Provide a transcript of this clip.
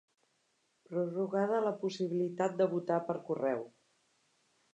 Prorrogada la possibilitat de votar per correu